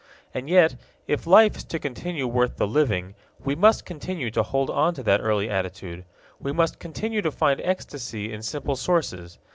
And yet, if life is to continue worth the living, we must continue to hold onto that early attitude. We must continue to find ecstasy in simple sources.